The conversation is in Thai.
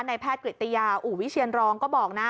แพทย์กริตยาอู่วิเชียนรองก็บอกนะ